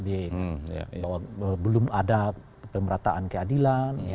bahwa belum ada pemerataan keadilan